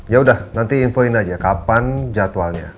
yaudah nanti infoin aja kapan jadwalnya